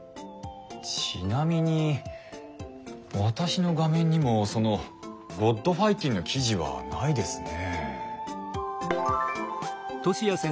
ちなみに私の画面にもその「ｇｏｄファイティン」の記事はないですね。